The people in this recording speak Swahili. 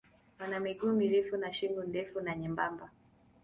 Wana miguu mirefu na shingo ndefu na nyembamba.